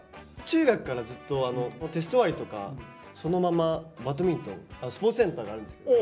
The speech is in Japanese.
中学からずっとテスト終わりとかそのままバドミントンスポーツセンターがあるんですけど。